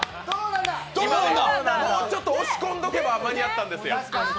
もうちょっと押し込んでおけば間に合ったんですよ。